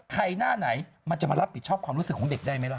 หน้าไหนมันจะมารับผิดชอบความรู้สึกของเด็กได้ไหมล่ะ